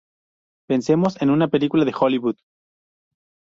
Pensemos en una película de Hollywood.